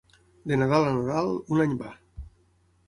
De Nadal a Nadal, un any va.